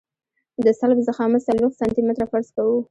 د سلب ضخامت څلوېښت سانتي متره فرض کوو